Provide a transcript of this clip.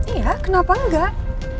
iya kenapa enggak